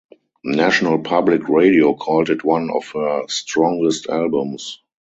National Public Radio called it one of her strongest albums.